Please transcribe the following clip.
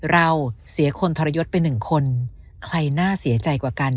เราเสียคนทรยศไปหนึ่งคนใครน่าเสียใจกว่ากัน